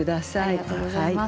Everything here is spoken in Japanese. ありがとうございます。